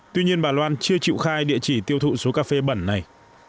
tuy nhiên bà loan chưa chịu khai địa chỉ tiêu thụ số cà phê bẩn này